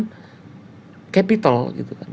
modal sebagai kapital gitu kan